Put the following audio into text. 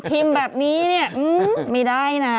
พิมพ์แบบนี้เนี่ยไม่ได้นะ